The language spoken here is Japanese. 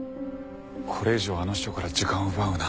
これ以上あの人から時間を奪うなんて。